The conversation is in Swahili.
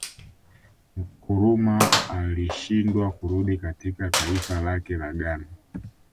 Nkrumah alishindwa kurudi katika taifa lake la Ghana